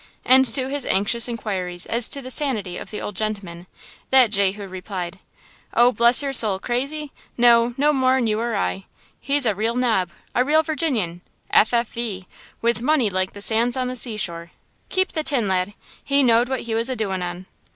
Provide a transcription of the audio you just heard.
And to his anxious inquires as to the sanity of the old gentleman, that Jehu replied: "Oh, bless your soul, crazy? No; no more'n you or I. He's a real nob–a real Virginian, F. F. V., with money like the sands on the seashore! Keep the tin, lad; he knowed what he was a doin' on."